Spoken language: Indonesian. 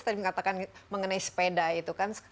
tadi mengatakan mengenai sepeda itu kan